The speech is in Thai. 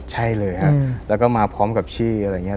ใช่เลยครับแล้วก็มาพร้อมกับชื่ออะไรอย่างนี้